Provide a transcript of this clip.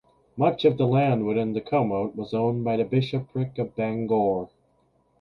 Much of the land within the commote was owned by the Bishopric of Bangor.